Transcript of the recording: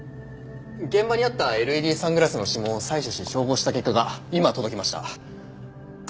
現場にあったＬＥＤサングラスの指紋を採取し照合した結果が今届きました。